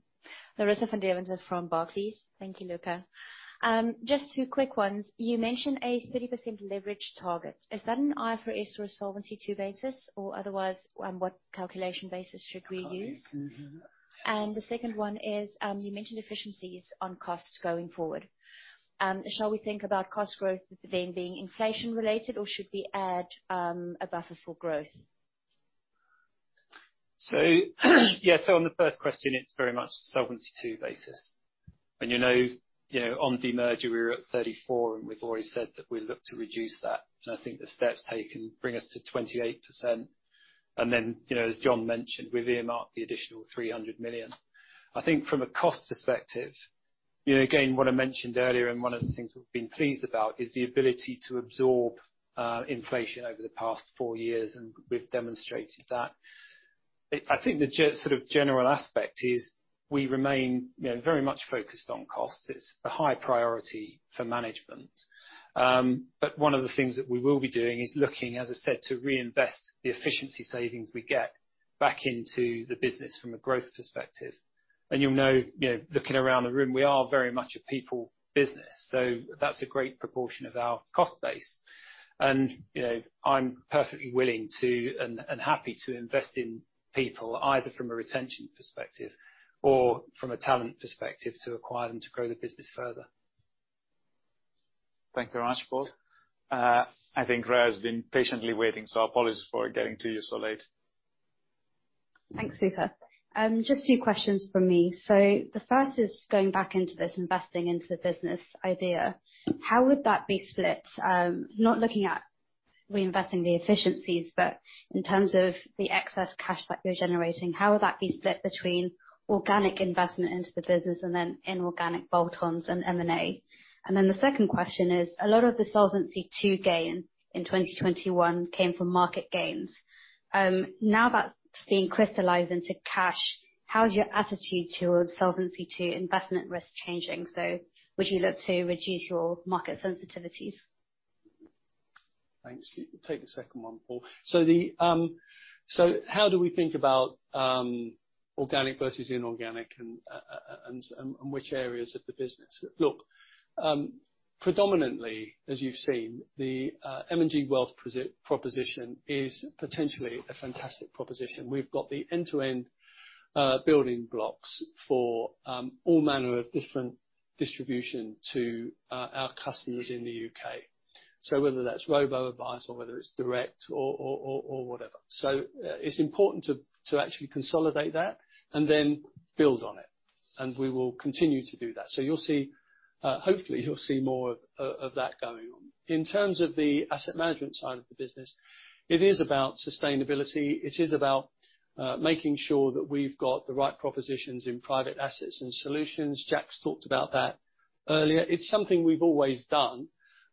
Larissa van Deventer from Barclays. Thank you, Luca. Just two quick ones. You mentioned a 30% leverage target. Is that an IFRS or a Solvency II basis, or otherwise, on what calculation basis should we use? Can't hear you. The second one is, you mentioned efficiencies on costs going forward. Shall we think about cost growth then being inflation related, or should we add a buffer for growth? On the first question, it's very much Solvency II basis. You know, on demerger we were at 34, and we've already said that we look to reduce that. I think the steps taken bring us to 28%. Then, as John mentioned, we've earmarked the additional 300 million. I think from a cost perspective, you know, again, what I mentioned earlier, and one of the things we've been pleased about, is the ability to absorb inflation over the past four years, and we've demonstrated that. I think the general aspect is we remain, you know, very much focused on cost. It's a high priority for management. One of the things that we will be doing is looking, as I said, to reinvest the efficiency savings we get back into the business from a growth perspective. You'll know, you know, looking around the room, we are very much a people business, so that's a great proportion of our cost base. You know, I'm perfectly willing to and happy to invest in people, either from a retention perspective or from a talent perspective, to acquire them to grow the business further. Thank you very much, Paul. I think Rhea's been patiently waiting, so apologies for getting to you so late. Thanks, Luca. Just two questions from me. The first is going back into this investing into the business idea. How would that be split? Not looking at reinvesting the efficiencies, but in terms of the excess cash that you're generating, how would that be split between organic investment into the business and then inorganic bolt-ons and M&A? The second question is, a lot of the Solvency II gain in 2021 came from market gains. Now that's being crystallized into cash, how is your attitude towards Solvency II investment risk changing? Would you look to reduce your market sensitivities? Thanks. Take the second one, Paul. How do we think about organic versus inorganic and which areas of the business? Look, predominantly, as you've seen, the M&G Wealth proposition is potentially a fantastic proposition. We've got the end-to-end building blocks for all manner of different distribution to our customers in the U.K. Whether that's robo-advice or whether it's direct or whatever. It's important to actually consolidate that and then build on it, and we will continue to do that. You'll see, hopefully you'll see more of that going on. In terms of the asset management side of the business, it is about sustainability. It is about making sure that we've got the right propositions in private assets and solutions. Jack's talked about that. Earlier, it's something we've always done,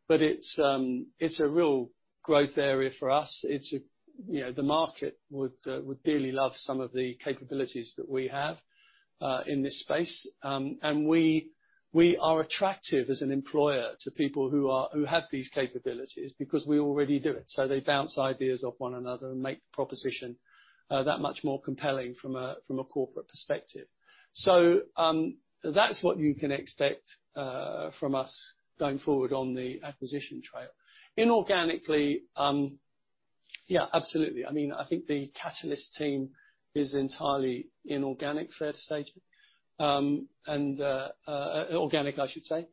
but it's a real growth area for us. It's, you know, the market would dearly love some of the capabilities that we have in this space. We are attractive as an employer to people who have these capabilities because we already do it, so they bounce ideas off one another and make the proposition that much more compelling from a corporate perspective. That's what you can expect from us going forward on the acquisition trail. Inorganically, yeah, absolutely. I mean, I think the Catalyst team is entirely inorganic, fair to say, and organic, I should say.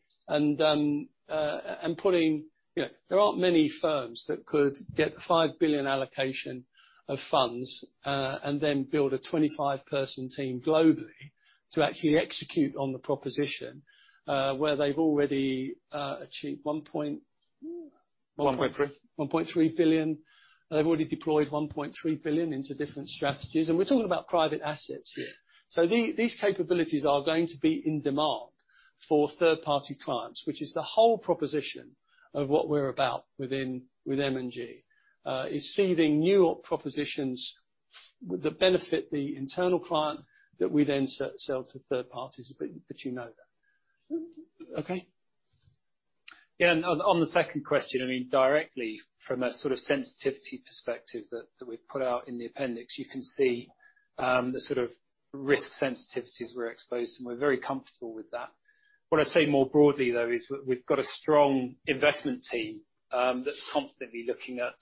Putting... You know, there aren't many firms that could get the 5 billion allocation of funds, and then build a 25-person team globally to actually execute on the proposition, where they've already achieved one point 1.3. 1.3 billion. They've already deployed 1.3 billion into different strategies. We're talking about private assets here. These capabilities are going to be in demand for third-party clients, which is the whole proposition of what we're about within, with M&G, is seeding new propositions that benefit the internal client that we then sell to third parties. But you know that. Okay. Yeah. On the second question, I mean, directly from a sort of sensitivity perspective that we've put out in the appendix, you can see the sort of risk sensitivities we're exposed to, and we're very comfortable with that. What I'd say more broadly, though, is we've got a strong investment team that's constantly looking at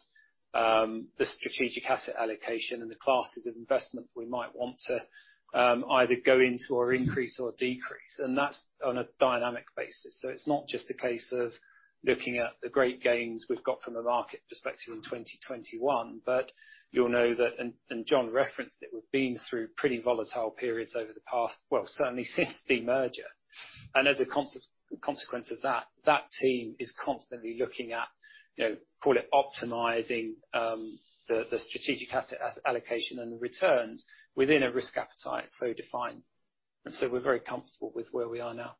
the strategic asset allocation and the classes of investment we might want to either go into or increase or decrease. That's on a dynamic basis. It's not just a case of looking at the great gains we've got from a market perspective in 2021, but you'll know that, and John referenced it, we've been through pretty volatile periods over the past, well, certainly since the merger. As a consequence of that team is constantly looking at, you know, call it optimizing, the strategic asset allocation and the returns within a risk appetite so defined. We're very comfortable with where we are now.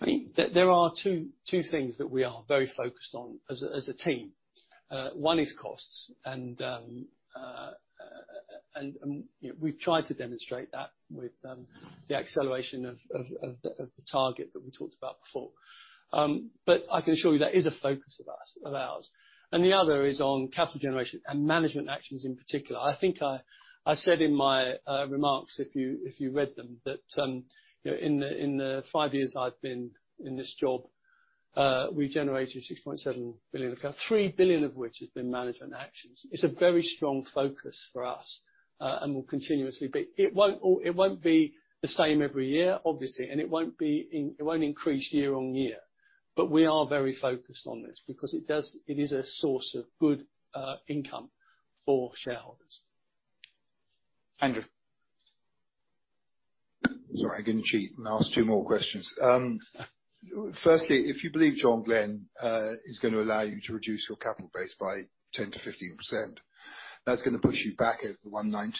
I mean, there are two things that we are very focused on as a team. One is costs. You know, we've tried to demonstrate that with the acceleration of the target that we talked about before. But I can assure you that is a focus of ours. The other is on capital generation and management actions in particular. I think I said in my remarks, if you read them, that you know, in the five years I've been in this job, we've generated 6.7 billion of capital, 3 billion of which has been management actions. It's a very strong focus for us, and will continuously be. It won't be the same every year, obviously, and it won't increase year on year. We are very focused on this because it is a source of good income for shareholders. Andrew. Sorry, I'm gonna cheat and ask two more questions. Firstly, if you believe John Glen is gonna allow you to reduce your capital base by 10%-15%, that's gonna push you back into the 190.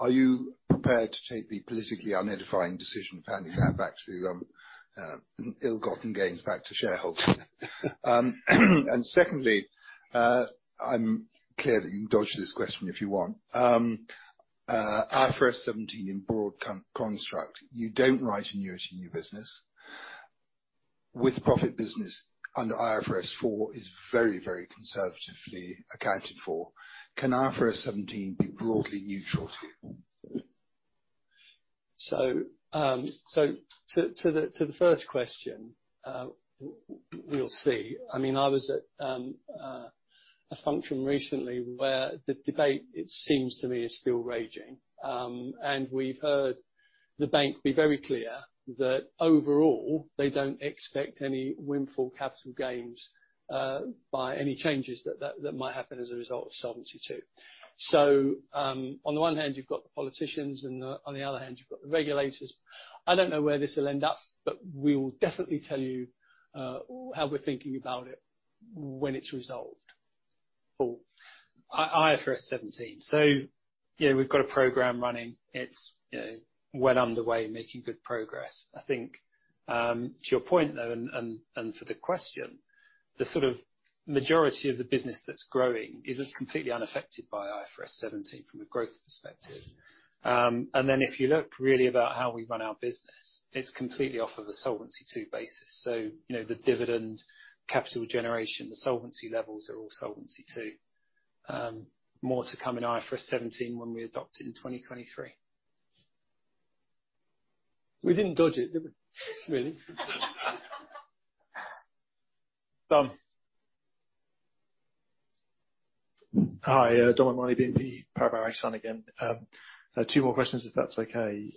Are you prepared to take the politically unedifying decision of handing that back to ill-gotten gains back to shareholders? Secondly, I'm clear that you can dodge this question if you want. IFRS 17 in broad construct, you don't write annuity in new business. With-profits business under IFRS 4 is very, very conservatively accounted for. Can IFRS 17 be broadly neutral to you? To the first question, we'll see. I mean, I was at a function recently where the debate, it seems to me, is still raging. We've heard the bank be very clear that overall, they don't expect any windfall capital gains by any changes that might happen as a result of Solvency II. On the one hand, you've got the politicians, and on the other hand, you've got the regulators. I don't know where this will end up, but we will definitely tell you how we're thinking about it when it's resolved. On IFRS 17. You know, we've got a program running. It's you know well underway, making good progress. I think to your point, though, and to the question, the sort of majority of the business that's growing is completely unaffected by IFRS 17 from a growth perspective. And then if you look really about how we run our business, it's completely off of a Solvency II basis. You know, the dividend capital generation, the solvency levels are all Solvency II. More to come in IFRS 17 when we adopt it in 2023. We didn't dodge it, did we, really? Don. Hi, Dominic O'Mahony, BNP Paribas Exane again. Two more questions, if that's okay.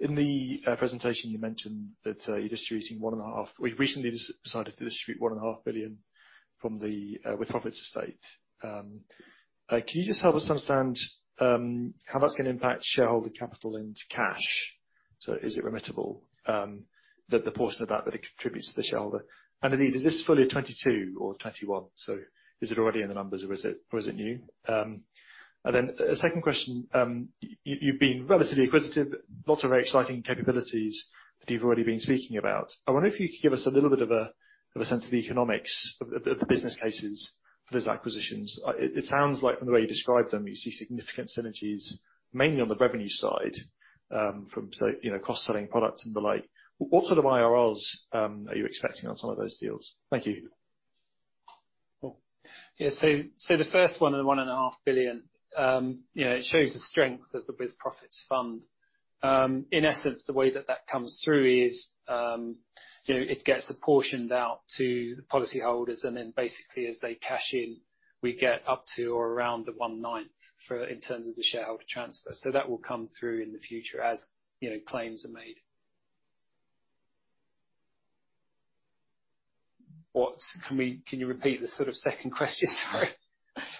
In the presentation, you mentioned that you're distributing 1.5 billion from the With-Profits estate. Can you just help us understand how that's gonna impact shareholder capital and cash? So is it remittable, the portion of that that it contributes to the shareholder? And indeed, is this fully 2022 or 2021? So is it already in the numbers or is it new? And then a second question, you've been relatively acquisitive, lots of very exciting capabilities that you've already been speaking about. I wonder if you could give us a little bit of a sense of the economics of the business cases. For those acquisitions, it sounds like from the way you described them, you see significant synergies mainly on the revenue side, from say, you know, cross-selling products and the like. What sort of IRRs are you expecting on some of those deals? Thank you. Yeah. The first one in the 1.5 billion, you know, it shows the strength of the With-Profits Fund. In essence, the way that comes through is, you know, it gets apportioned out to the policyholders and then basically as they cash in, we get up to or around the 1/9 for, in terms of the shareholder transfer. That will come through in the future as, you know, claims are made. Can you repeat the sort of second question, sorry?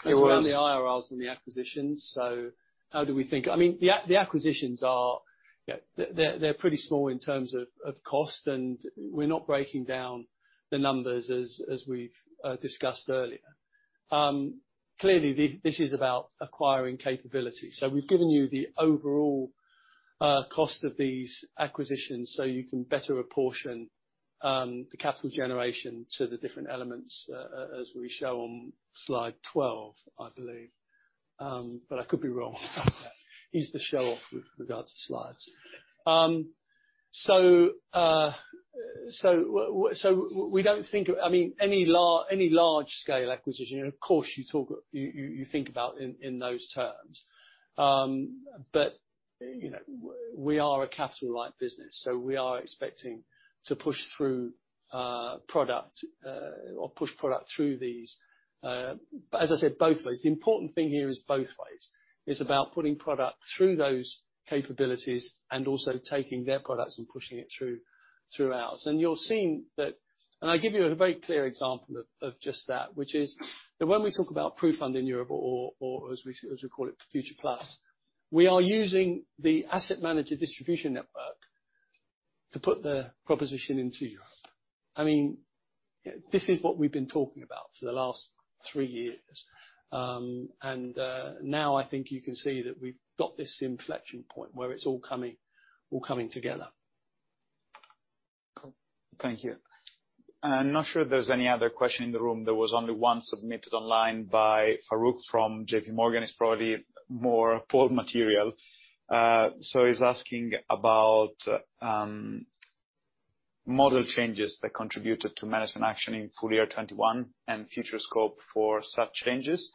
It was- Around the IRRs and the acquisitions. How do we think. I mean, the acquisitions are, you know, they're pretty small in terms of cost, and we're not breaking down the numbers as we've discussed earlier. Clearly, this is about acquiring capability. We've given you the overall cost of these acquisitions so you can better apportion the capital generation to the different elements as we show on slide 12, I believe. But I could be wrong. He's the show-off with regards to slides. We don't think. I mean, any large scale acquisition, of course, you talk you think about in those terms. But, you know, we are a capital light business, so we are expecting to push through product or push product through these. As I said, both ways. The important thing here is both ways. It's about putting product through those capabilities and also taking their products and pushing it through ours. You're seeing that. I give you a very clear example of just that, which is that when we talk about PruFund in Europe or as we call it, Future Plus, we are using the asset manager distribution network to put the proposition into Europe. I mean, this is what we've been talking about for the last three years. Now I think you can see that we've got this inflection point where it's all coming together. Cool. Thank you. I'm not sure if there's any other question in the room. There was only one submitted online by Farooq from J.P. Morgan. It's probably more Paul material. So he's asking about model changes that contributed to management action in full year 2021 and future scope for such changes.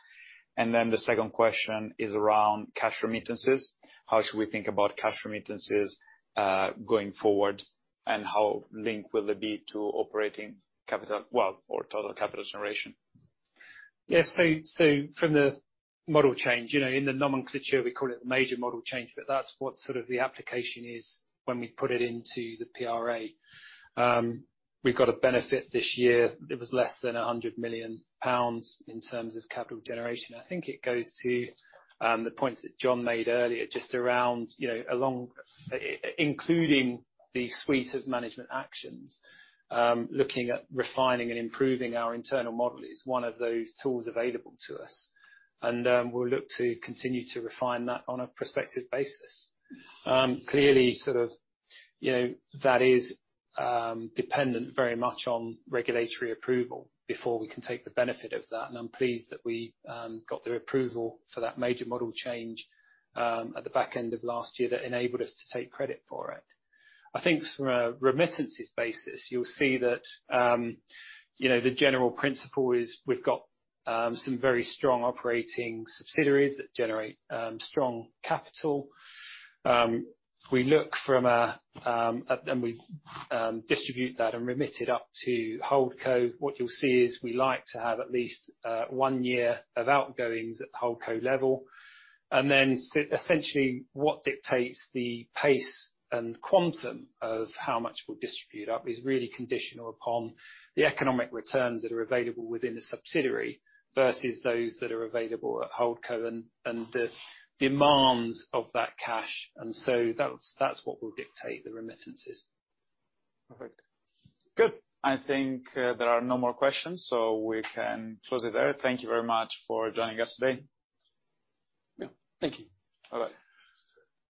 Then the second question is around cash remittances. How should we think about cash remittances going forward, and how linked will it be to operating capital or total capital generation? From the model change, you know, in the nomenclature, we call it major model change, but that's what sort of the application is when we put it into the PRA. We've got a benefit this year. It was less than 100 million pounds in terms of capital generation. I think it goes to the points that John made earlier just around, you know, including the suite of management actions. Looking at refining and improving our internal model is one of those tools available to us. We'll look to continue to refine that on a prospective basis. Clearly, sort of, you know, that is dependent very much on regulatory approval before we can take the benefit of that, and I'm pleased that we got the approval for that major model change at the back end of last year that enabled us to take credit for it. I think from a remittances basis, you'll see that, you know, the general principle is we've got some very strong operating subsidiaries that generate strong capital. We distribute that and remit it up to Holdco. What you'll see is we like to have at least one year of outgoings at the Holdco level. Essentially, what dictates the pace and quantum of how much we'll distribute up is really conditional upon the economic returns that are available within the subsidiary versus those that are available at Holdco and the demands of that cash. That's what will dictate the remittances. Perfect. Good. I think there are no more questions, so we can close it there. Thank you very much for joining us today. Yeah. Thank you. Bye-bye.